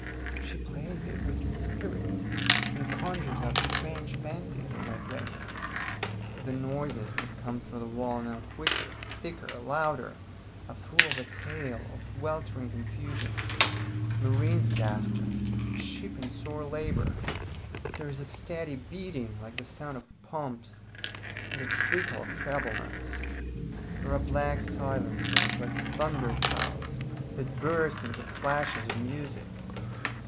She plays it with spirit, and conjures up strange fancies in my brain. The noises that come through the wall now, quicker, thicker, louder, are full of a tale of weltering confusion, marine disaster, a ship in sore labour; there is a steady beating like the sound of pumps, and a trickle of treble notes. There are black silences, like thunderclouds, that burst into flashes of music.